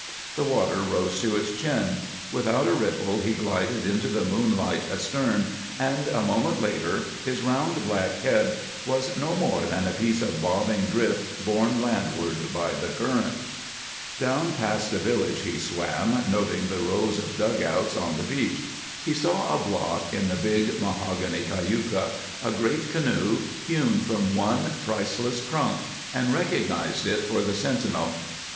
The water rose to his chin. Without a ripple, he glided into the moonlight astern, and a moment later his round, black head was no more than a piece of bobbing drift borne landward by the current. Down past the village he swam, noting the rows of dugouts on the beach. He saw a blot in the big mahogany cayuca, a great canoe hewn from one priceless trunk, and recognized it for the sentinel.